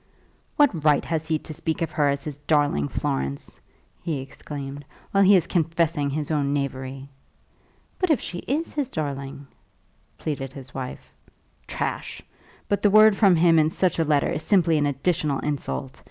"What right has he to speak of her as his darling Florence," he exclaimed, "while he is confessing his own knavery?" "But if she is his darling ?" pleaded his wife. "Trash! But the word from him in such a letter is simply an additional insult.